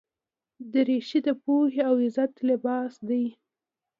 دریشي د پوهې او عزت لباس دی.